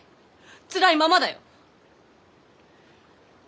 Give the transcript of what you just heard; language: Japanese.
つらいままだよ。